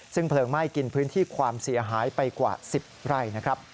ซึ่งเพลิงไหม้กินพื้นที่ความเสียหายไปกว่า๑๐ไร่นะครับ